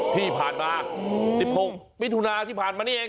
ที่ผ่านมา๑๖มิถุนาที่ผ่านมานี่เอง